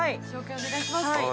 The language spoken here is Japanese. お願いします。